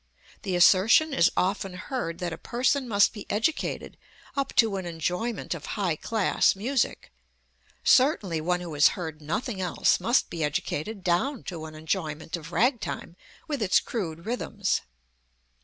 The assertion is often heard that a person must be educated up to an enjoyment of high class music. Certainly, one who has heard nothing else must be educated down to an enjoyment of ragtime, with its crude rhythms.